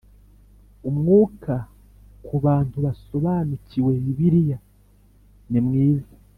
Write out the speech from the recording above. umwuka ku bantu basobanukiwe Bibiliya nimwiza